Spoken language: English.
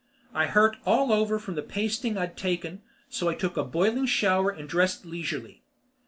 I hurt all over from the pasting I'd taken, so I took a boiling shower and dressed leisurely.